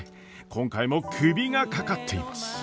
今回もクビがかかっています。